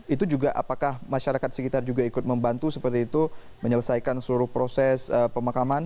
itu juga apakah masyarakat sekitar juga ikut membantu seperti itu menyelesaikan seluruh proses pemakaman